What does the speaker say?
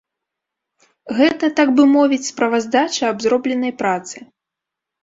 Гэта, так бы мовіць, справаздача аб зробленай працы!